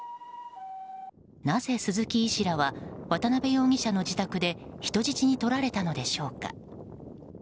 なぜ鈴木医師らは渡辺容疑者の自宅で人質に取られたのでしょうか。